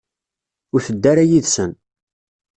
Ur tedda ara yid-sen.